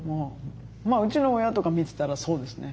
うちの親とか見てたらそうですね。